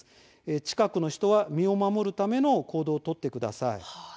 近くの人は身を守るための行動を取ってください。